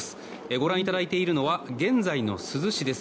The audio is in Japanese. ご覧いただいているのは現在の珠洲市です。